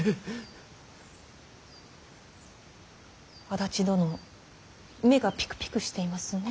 足立殿目がピクピクしていますね。